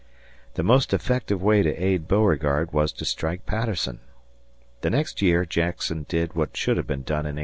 The most effective way to aid Beauregard was to strike Patterson. The next year Jackson did what should have been done in 1861.